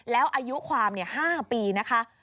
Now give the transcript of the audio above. แล้วอายุความ๕ปีนะคะ